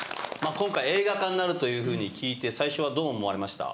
今回映画化になるというふうに聞いて最初はどう思われました？